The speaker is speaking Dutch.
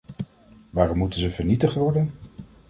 Waarom moeten ze vernietigd worden?